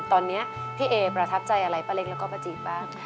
ตอนนี้พี่เอประทับใจอะไรป้าเล็กแล้วก็ป้าจีบ้าง